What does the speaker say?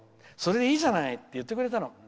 それでいいじゃないって言ってくれたの。